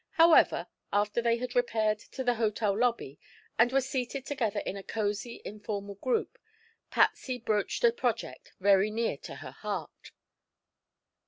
However, after they had repaired to the hotel lobby and were seated together in a cosy, informal group, Patsy broached a project very near to her heart.